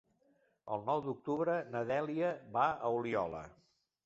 El nou d'octubre na Dèlia va a Oliola.